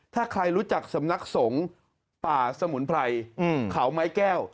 ถ้าใครรู้จักสำนักสงฆ์ป่าสมุนไพรเขาไม้แก้ว